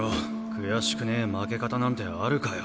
悔しくねぇ負け方なんてあるかよ。